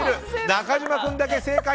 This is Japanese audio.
中島君だけ正解！